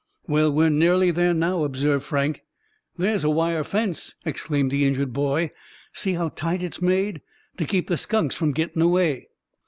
"Well, we're nearly there now," observed Frank. "There's a wire fence!" exclaimed the injured boy. "See how tight it's made, to keep the skunks from gettin' away."